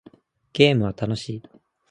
ゲームは楽しい